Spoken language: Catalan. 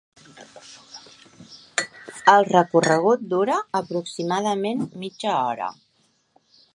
El recorregut dura aproximadament mitja hora.